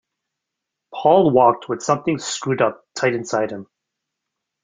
Paul walked with something screwed up tight inside him.